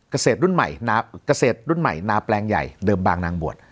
เกษตรรุ่นใหม่นาเกษตรรุ่นใหม่นาแปลงใหญ่เดิมบางนางบวช